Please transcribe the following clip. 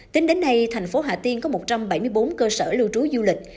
tính đến nay thành phố hà tiên có một trăm bảy mươi bốn cơ sở lưu trú du lịch